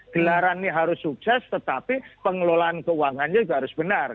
gelaran ini harus sukses tetapi pengelolaan keuangannya juga harus benar